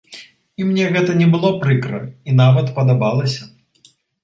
І мне гэта не было прыкра і нават падабалася.